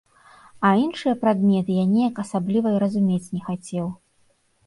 А іншыя прадметы я неяк асабліва і разумець не хацеў.